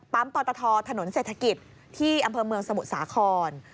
ปอตทถนนเศรษฐกิจที่อำเภอเมืองสมุทรสาคร